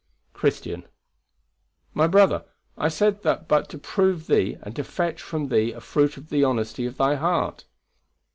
Christian: "My brother, I said that but to prove thee, and to fetch from thee a fruit of the honesty of thy heart."